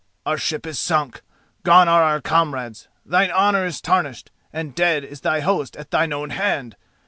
Our ship is sunk, gone are our comrades, thine honour is tarnished, and dead is thy host at thine own hand.